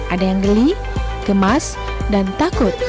ada yang geli gemas dan takut